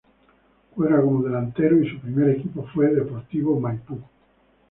Juega como delantero y su primer equipo fue Deportivo Maipú.